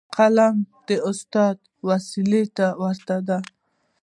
قلم د استاد وسلې ته ورته دی.